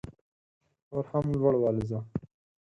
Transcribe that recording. نور هم لوړ والوځه